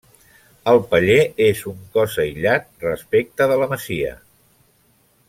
El paller és un cos aïllat respecte de la masia.